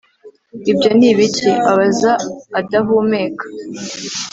ibyo ni ibiki? abaza adahumeka